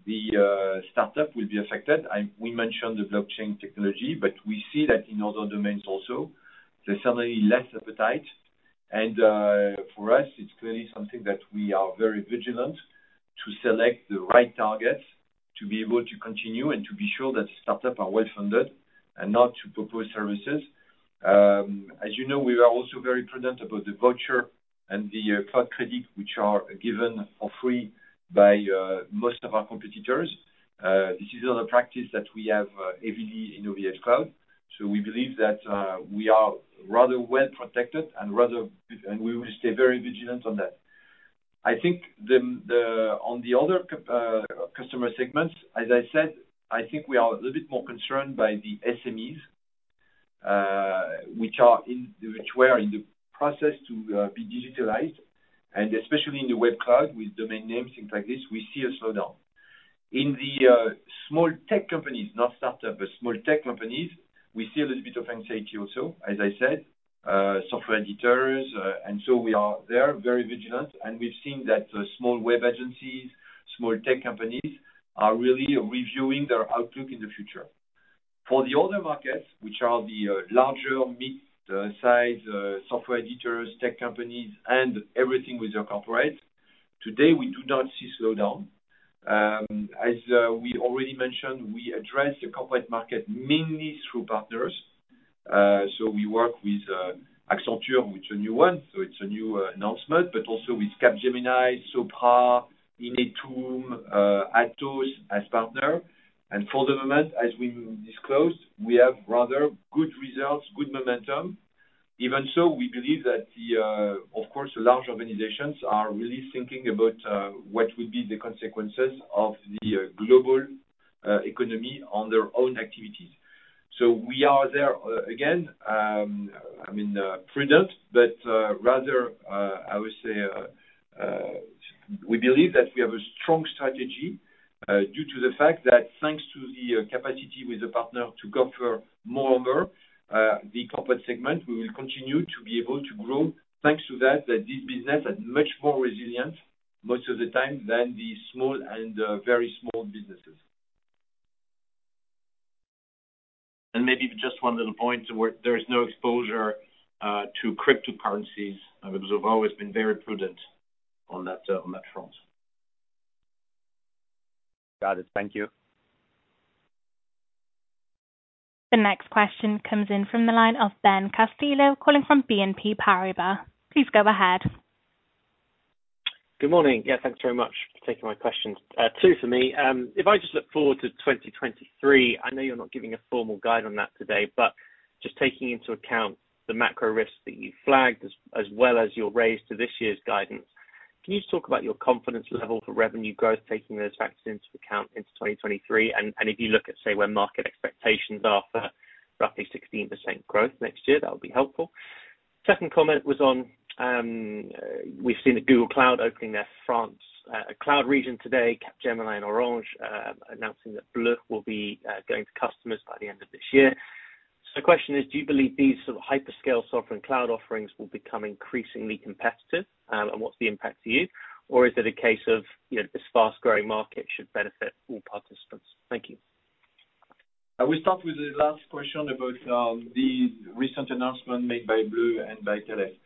the startup will be affected. We mentioned the blockchain technology, but we see that in other domains also. There's suddenly less appetite. For us, it's clearly something that we are very vigilant to select the right targets to be able to continue and to be sure that startups are well-funded and not to propose services. As you know, we are also very prudent about the voucher and the cloud credit, which are given for free by most of our competitors. This is not a practice that we have heavily in OVHcloud. We believe that we are rather well protected and we will stay very vigilant on that. On the other customer segments, as I said, I think we are a little bit more concerned by the SMEs, which were in the process to be digitalized, and especially in the Web Cloud with domain names, things like this, we see a slowdown. In the small tech companies, not startup, but small tech companies, we see a little bit of anxiety also, as I said, software editors. We are there, very vigilant, and we've seen that small web agencies, small tech companies are really reviewing their outlook in the future. For the other markets, which are the larger mid-size software editors, tech companies, and everything with our corporate, today, we do not see slowdown. As we already mentioned, we address the corporate market mainly through partners. We work with Accenture, which is a new one, so it's a new announcement, but also with Capgemini, Sopra Steria, Inetum, Atos as partner. For the moment, as we disclosed, we have rather good results, good momentum. Even so, we believe that, of course, large organizations are really thinking about what would be the consequences of the global economy on their own activities. We are there, again, I mean, prudent, but rather, I would say, we believe that we have a strong strategy due to the fact that thanks to the capacity with the partner to go for more of the corporate segment, we will continue to be able to grow. Thanks to that, this business is much more resilient most of the time than the small and very small businesses. Maybe just one little point where there is no exposure to cryptocurrencies because we've always been very prudent on that front. Got it. Thank you. The next question comes in from the line of Ben Castillo, calling from BNP Paribas. Please go ahead. Good morning. Yeah, thanks very much for taking my questions. Two for me. If I just look forward to 2023, I know you're not giving a formal guide on that today, but just taking into account the macro risks that you flagged as well as your raise to this year's guidance, can you talk about your confidence level for revenue growth, taking those factors into account into 2023? If you look at, say, where market expectations are for roughly 16% growth next year, that would be helpful. Second comment was on, we've seen the Google Cloud opening their France cloud region today, Capgemini and Orange announcing that Bleu will be going to customers by the end of this year. Question is, do you believe these sort of hyperscale sovereign cloud offerings will become increasingly competitive? What's the impact to you? Or is it a case of, you know, this fast-growing market should benefit all participants? Thank you. I will start with the last question about the recent announcement made by Bleu and by Thales.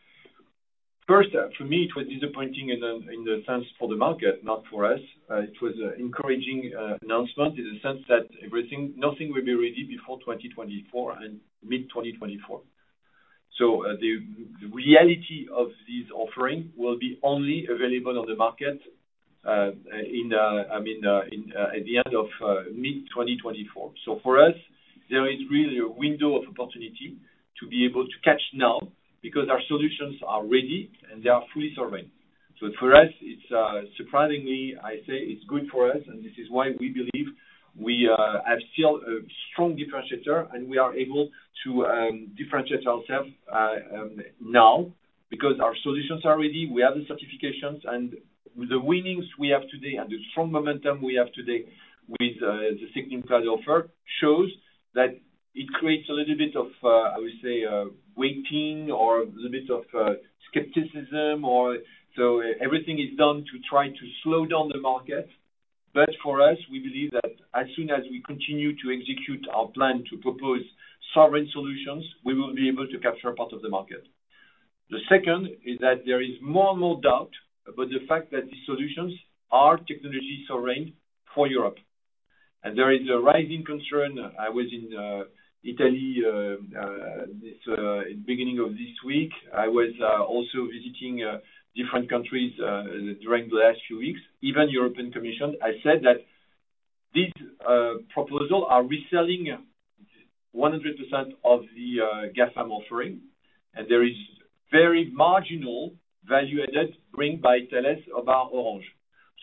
First, for me, it was disappointing in the sense for the market, not for us. It was encouraging announcement in the sense that nothing will be ready before 2024 and mid-2024. The reality of this offering will be only available on the market, I mean, at the end of mid-2024. For us, there is really a window of opportunity to be able to catch now because our solutions are ready and they are fully serving. For us, it's surprisingly. I say it's good for us, and this is why we believe we have still a strong differentiator and we are able to differentiate ourselves now because our solutions are ready, we have the certifications. The winnings we have today and the strong momentum we have today with the sovereign cloud offer shows that it creates a little bit of, I would say, waiting or a little bit of skepticism. Everything is done to try to slow down the market. For us, we believe that as soon as we continue to execute our plan to propose sovereign solutions, we will be able to capture part of the market. The second is that there is more and more doubt about the fact that these solutions are technologically sovereign for Europe. There is a rising concern. I was in Italy the beginning of this week. I was also visiting different countries during the last few weeks, even European Commission. I said that these proposals are reselling 100% of the GAFAM offering, and there is very marginal value added brought by Thales and Orange.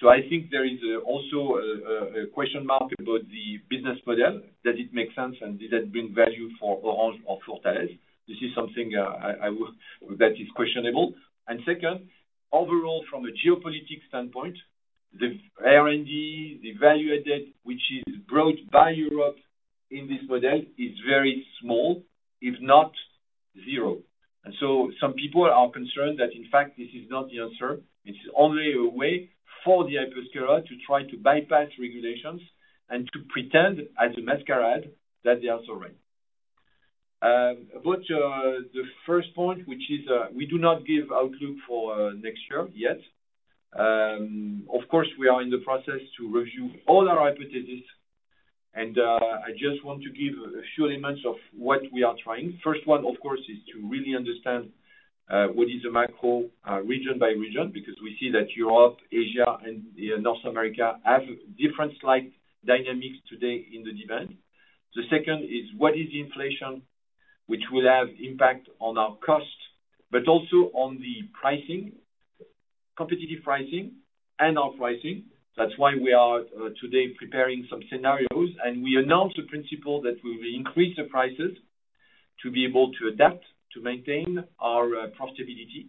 I think there is also a question mark about the business model. Does it make sense, and does that bring value for Orange or for Thales? This is something that is questionable. Second, overall, from a geopolitical standpoint, the R&D, the value added, which is brought by Europe in this model is very small, if not zero. Some people are concerned that, in fact, this is not the answer. It's only a way for the hyperscaler to try to bypass regulations and to pretend as a masquerade that they are sovereign. About the first point, which is, we do not give outlook for next year yet. Of course, we are in the process to review all our hypothesis. I just want to give a few elements of what we are trying. First one, of course, is to really understand what is the macro region by region, because we see that Europe, Asia and, you know, North America have different slight dynamics today in the demand. The second is what is the inflation, which will have impact on our cost, but also on the pricing, competitive pricing and our pricing. That's why we are today preparing some scenarios. We announced the principle that we will increase the prices to be able to adapt, to maintain our profitability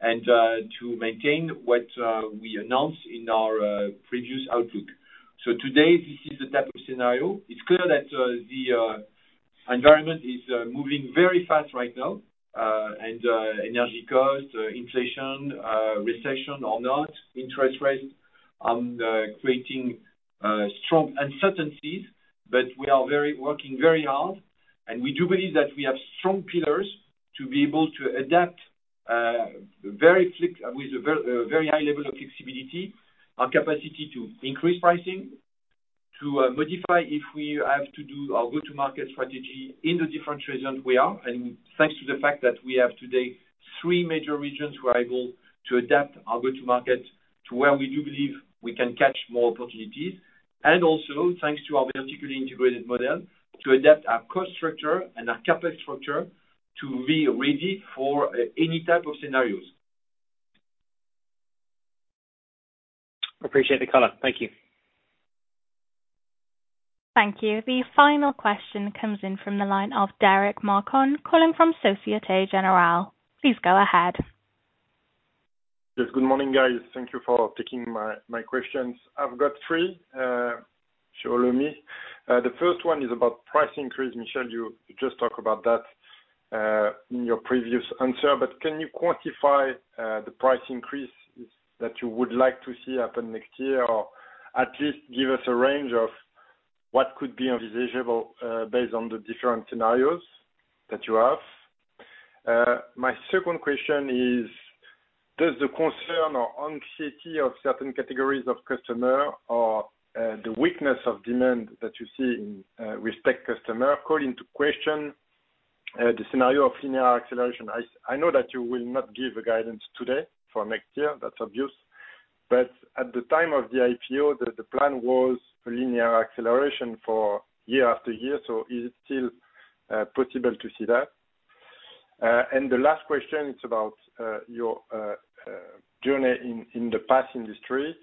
and to maintain what we announced in our previous outlook. Today this is the type of scenario. It's clear that the environment is moving very fast right now, and energy cost, inflation, recession or not, interest rates creating strong uncertainties. We are working very hard, and we do believe that we have strong pillars to be able to adapt very with a very high level of flexibility, our capacity to increase pricing, to modify if we have to do our go-to-market strategy in the different regions we are. Thanks to the fact that we have today three major regions, we are able to adapt our go-to-market to where we do believe we can catch more opportunities. Also, thanks to our vertically integrated model, to adapt our cost structure and our CapEx structure to be ready for any type of scenarios. Appreciate the color. Thank you. Thank you. The final question comes in from the line of Deric Marcon, calling from Société Générale. Please go ahead. Yes. Good morning, guys. Thank you for taking my questions. I've got three to ask you. The first one is about price increase. Michel, you just talked about that in your previous answer. Can you quantify the price increase that you would like to see happen next year? Or at least give us a range of what could be envisageable based on the different scenarios that you have. My second question is, does the concern or anxiety of certain categories of customers or the weakness of demand that you see with tech customers call into question the scenario of linear acceleration? I know that you will not give guidance today for next year. That's obvious. At the time of the IPO, the plan was linear acceleration for year after year. Is it still possible to see that? The last question is about your journey in the PaaS industry.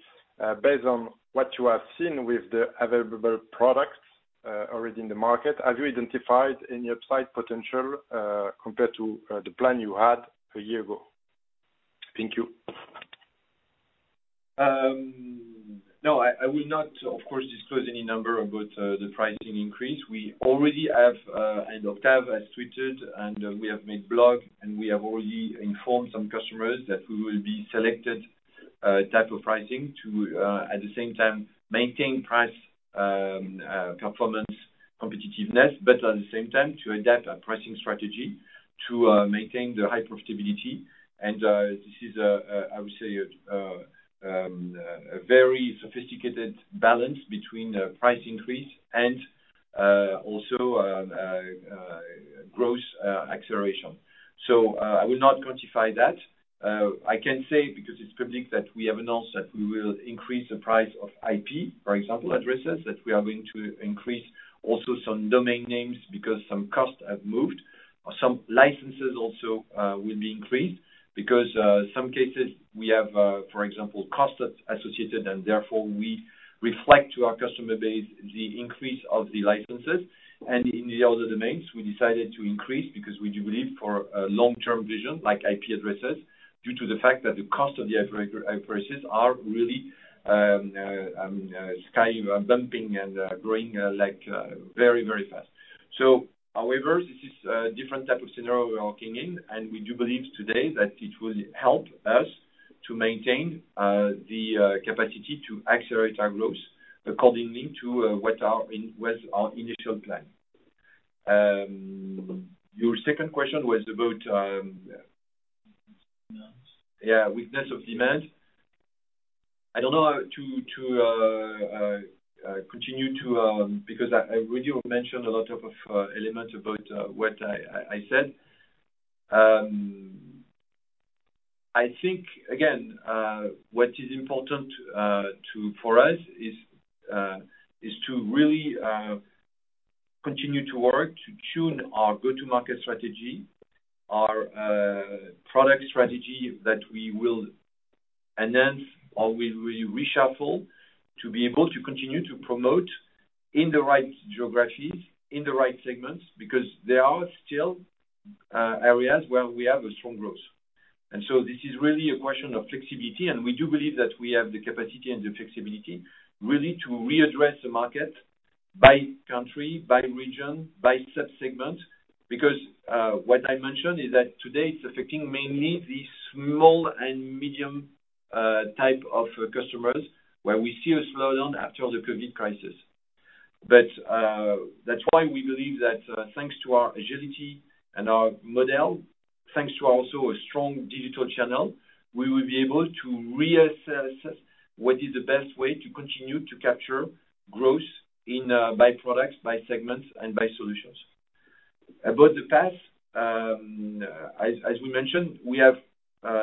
Based on what you have seen with the available products already in the market, have you identified any upside potential compared to the plan you had a year ago? Thank you. No, I will not, of course, disclose any number about the pricing increase. We already have and Octave has tweeted, and we have made a blog, and we have already informed some customers that we will select a type of pricing to at the same time maintain price-performance competitiveness, but at the same time to adapt our pricing strategy to maintain the high profitability. This is, I would say, a very sophisticated balance between the price increase and also growth acceleration. I will not quantify that. I can say, because it's public, that we have announced that we will increase the price of IP, for example, addresses, that we are going to increase also some domain names because some costs have moved. Some licenses also will be increased because some cases we have for example costs associated and therefore we reflect to our customer base the increase of the licenses. In the other domains we decided to increase because we do believe for a long-term vision like IP addresses due to the fact that the cost of the addresses are really skyrocketing and growing like very very fast. However this is a different type of scenario we are working in and we do believe today that it will help us to maintain the capacity to accelerate our growth accordingly to what our initial plan. Your second question was about Demand. Yeah, weakness of demand. I don't know how to continue, because I already mentioned a lot of elements about what I said. I think, again, what is important for us is to really continue to work to tune our go-to-market strategy, our product strategy that we will enhance or we will reshuffle to be able to continue to promote in the right geographies, in the right segments, because there are still areas where we have a strong growth. This is really a question of flexibility, and we do believe that we have the capacity and the flexibility really to readdress the market by country, by region, by subsegment. What I mentioned is that today it's affecting mainly the small and medium type of customers, where we see a slowdown after the COVID crisis. That's why we believe that, thanks to our agility and our model, thanks to also a strong digital channel, we will be able to reassess what is the best way to continue to capture growth in by products, by segments, and by solutions. About the PaaS, as we mentioned, we have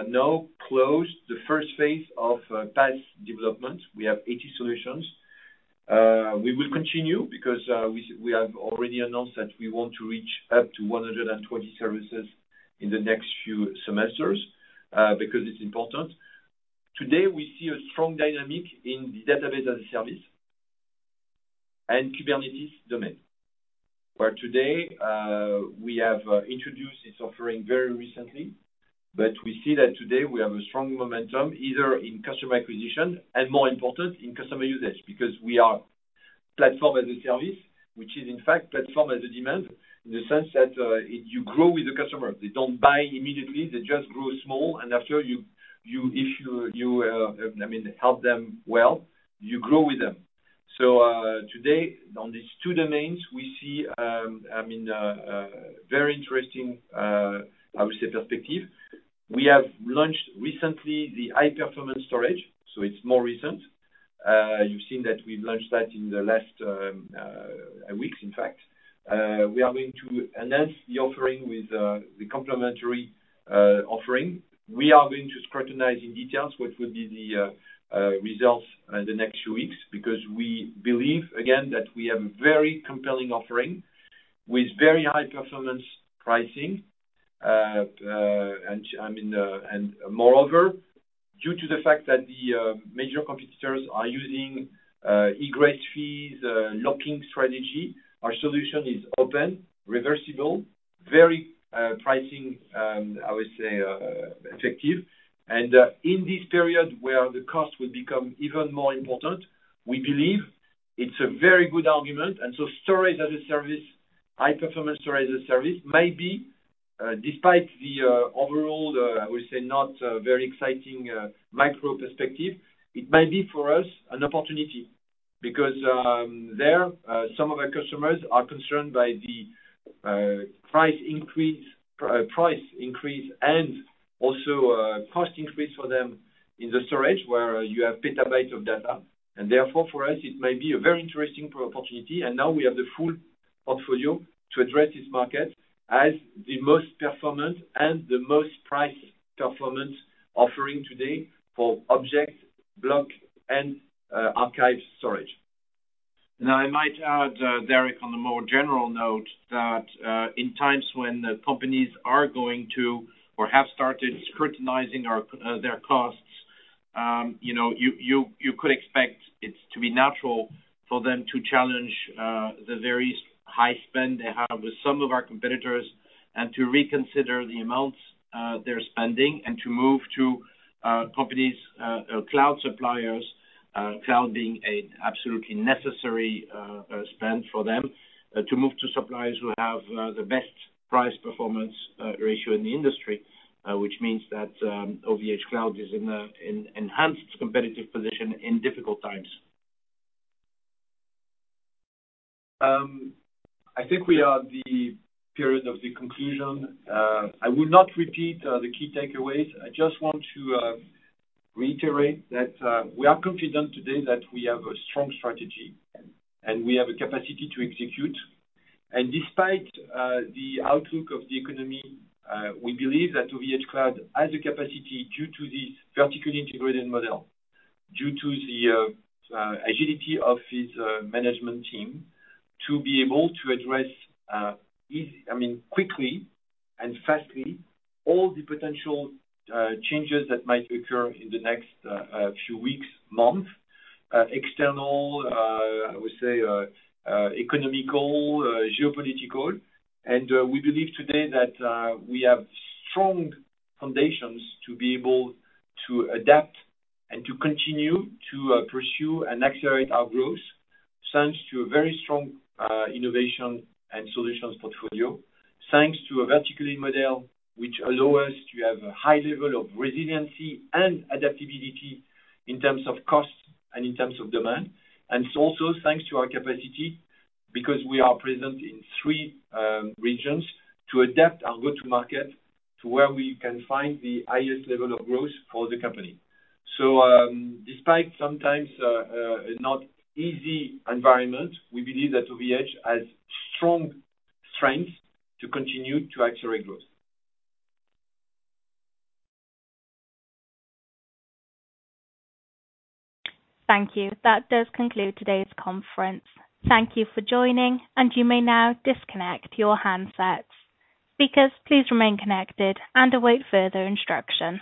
now closed the first phase of PaaS development. We have 80 solutions. We will continue because we have already announced that we want to reach up to 120 services in the next few semesters, because it's important. Today, we see a strong dynamic in the database as a service and Kubernetes domain. Today we have introduced this offering very recently, but we see that today we have a strong momentum either in customer acquisition and more important in customer usage because we are platform as a service, which is in fact platform as a demand in the sense that you grow with the customer. They don't buy immediately. They just grow small. After you, I mean, help them well, you grow with them. Today, on these two domains, we see, I mean, very interesting, I would say, perspective. We have launched recently the high-performance storage, so it's more recent. You've seen that we've launched that in the last weeks, in fact. We are going to enhance the offering with the complementary offering. We are going to scrutinize in detail what will be the results the next few weeks because we believe again that we have a very compelling offering with very high performance pricing. I mean, moreover, due to the fact that the major competitors are using egress fees, lock-in strategy, our solution is open, reversible, very pricing, I would say, effective. In this period where the cost will become even more important, we believe it's a very good argument. Storage as a service, high-performance storage as a service may be, despite the overall, I would say not very exciting micro perspective, it may be for us an opportunity because some of our customers are concerned by the price increase and also cost increase for them in the storage where you have petabytes of data. Therefore, for us, it may be a very interesting opportunity. Now we have the full portfolio to address this market as the most performant and the most price performant offering today for object, block, and archive storage. I might add, Deric, on a more general note that, in times when the companies are going to or have started scrutinizing our, their costs, you know, you could expect it to be natural for them to challenge, the very high spend they have with some of our competitors. To reconsider the amounts they're spending and to move to companies, cloud suppliers, cloud being an absolutely necessary spend for them, to move to suppliers who have the best price-performance ratio in the industry, which means that OVHcloud is in an enhanced competitive position in difficult times. I think we are in the period of the conclusion. I will not repeat the key takeaways. I just want to reiterate that we are confident today that we have a strong strategy, and we have a capacity to execute. Despite the outlook of the economy, we believe that OVHcloud has the capacity due to this vertically integrated model, due to the agility of its management team, to be able to address easy. I mean, quickly and fastly all the potential changes that might occur in the next few weeks, month, external, I would say, economic, geopolitical. We believe today that we have strong foundations to be able to adapt and to continue to pursue and accelerate our growth, thanks to a very strong innovation and solutions portfolio, thanks to a vertically model which allow us to have a high level of resiliency and adaptability in terms of costs and in terms of demand. It's also thanks to our capacity, because we are present in three regions to adapt our go-to-market to where we can find the highest level of growth for the company. Despite sometimes a not easy environment, we believe that OVH has strong strength to continue to accelerate growth. Thank you. That does conclude today's conference. Thank you for joining, and you may now disconnect your handsets. Speakers, please remain connected and await further instruction.